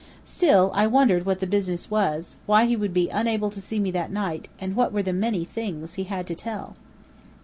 Still, I wondered what the business was: why he would be unable to see me that night: and what were the "many things" he had to tell.